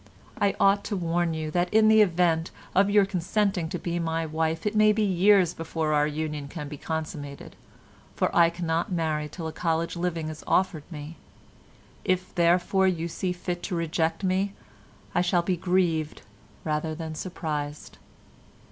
"I ought to warn you that in the event of your consenting to be my wife it may be years before our union can be consummated, for I cannot marry till a college living is offered me. If, therefore, you see fit to reject me, I shall be grieved rather than surprised.